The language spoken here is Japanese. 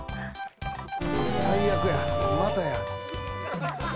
・最悪やまたや。